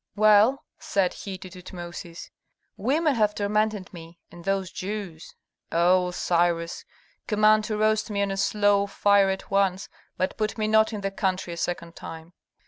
"Well," said he to Tutmosis, "women have tormented me, and those Jews O Cyrus! command to roast me on a slow fire at once, but put me not in the country a second time."